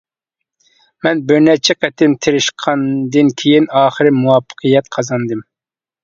مەن بىر نەچچە قېتىم تىرىشقاندىن كېيىن ئاخىرى مۇۋەپپەقىيەت قازاندىم.